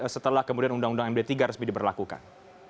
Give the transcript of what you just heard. setelah kemudian undang undang md tiga resmi diberlakukan